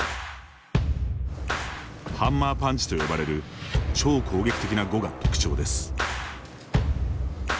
ハンマーパンチと呼ばれる超攻撃的な碁が特徴です。